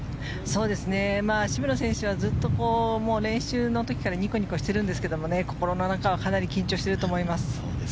渋野選手は練習の時からニコニコしているんですけど心の中はかなり緊張していると思います。